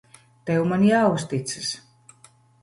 Tev man jāuzticas.